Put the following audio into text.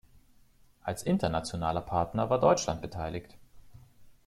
Als internationaler Partner war Deutschland beteiligt.